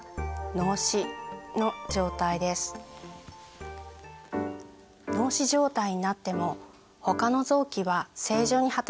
脳死状態になってもほかの臓器は正常に働いている場合があります。